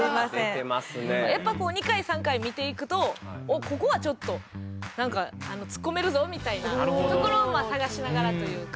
やっぱこう２回３回見ていくとおっここはちょっとなんかツッコめるぞみたいなところをまあ探しながらというか。